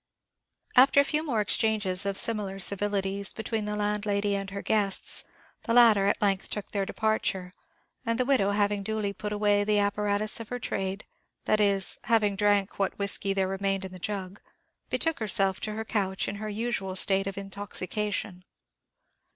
After a few more exchanges of similar civilities between the landlady and her guests, the latter at length took their departure; and the widow having duly put away the apparatus of her trade, that is, having drank what whiskey there remained in the jug, betook herself to her couch in her usual state of intoxication.